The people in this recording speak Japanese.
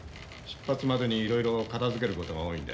出発までにいろいろ片づけることが多いんでね。